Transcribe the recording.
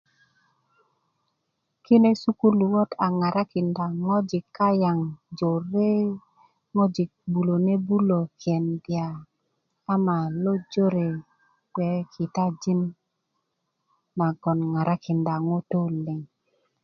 kine sukuluwöt a ŋarakinda ŋojik kayaŋ jore ŋojik 'buöne bulö kenda ama lo jore gbe yi kitajin nagoŋ ŋarakinda ŋutuu liŋ